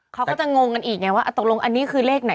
เขาก็จะงงกันอีกไงว่าตกลงอันนี้คือเลขไหน